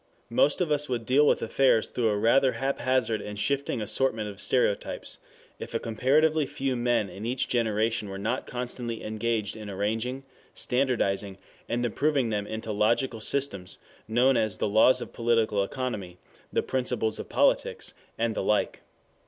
Most of us would deal with affairs through a rather haphazard and shifting assortment of stereotypes, if a comparatively few men in each generation were not constantly engaged in arranging, standardizing, and improving them into logical systems, known as the Laws of Political Economy, the Principles of Politics, and the like.